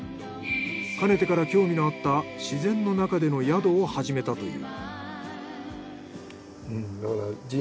かねてから興味のあった自然の中での宿を始めたという。